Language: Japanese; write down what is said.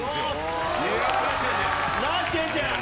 ナイス健ちゃん！